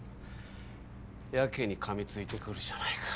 やけにかみついてくるじゃないか。